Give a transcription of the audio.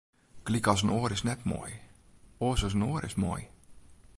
Gelyk as in oar is net moai, oars as in oar is moai.